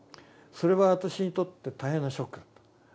それは私にとって大変なショックだった。